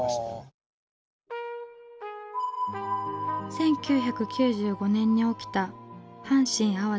１９９５年に起きた阪神・淡路大震災。